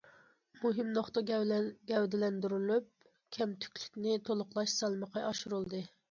مۇھىم نۇقتا گەۋدىلەندۈرۈلۈپ، كەمتۈكلۈكنى تولۇقلاش سالمىقى ئاشۇرۇلدى.